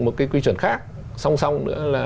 một cái quy chuẩn khác song song nữa